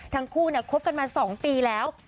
ทั้งคู่คบกันมา๒ปีแล้ว